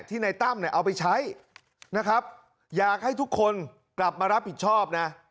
ในตั้มเนี่ยเอาไปใช้นะครับอยากให้ทุกคนกลับมารับผิดชอบนะ